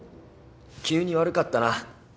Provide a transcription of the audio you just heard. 急に悪かったな